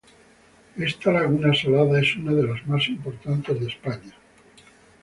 Esta laguna salada es una de las más importantes de España.